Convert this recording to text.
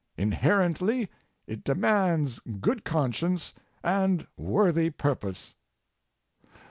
Inherently it demands good conscience and worthy purpose.